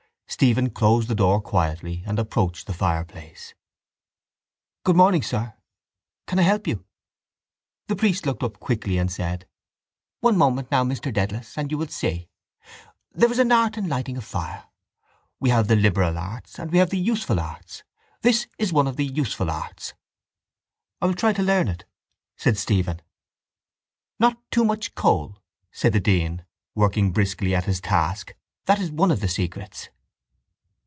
Stephen closed the door quietly and approached the fireplace. —Good morning, sir! Can I help you? The priest looked up quickly and said: —One moment now, Mr Dedalus, and you will see. There is an art in lighting a fire. We have the liberal arts and we have the useful arts. This is one of the useful arts. —I will try to learn it, said Stephen. —Not too much coal, said the dean, working briskly at his task, that is one of the secrets.